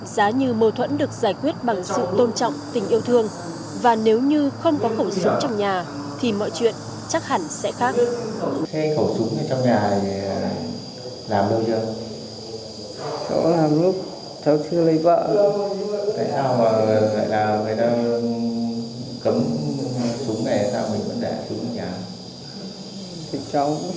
giá như mâu thuẫn được giải quyết bằng sự tôn trọng tình yêu thương và nếu như không có khẩu súng trong nhà thì mọi chuyện chắc hẳn sẽ khác